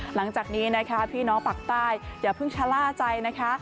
หลังจากนี้นะคะพี่น้องปากใต้อย่าเพิ่งชะล่าใจนะคะ